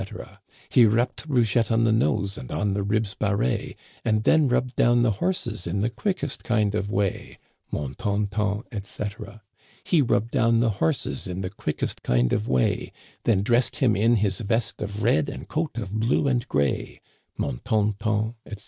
He rapped Rougett' on the nose, and on the ribs Barré, And then rubbed down the horses in the quickest kind of way : Mon ton ton, etc. " He rubbed down the horses in the quickest kind of way ; Then dressed him in his vest of red and coat of blue and gray : Mon ton ton, etc.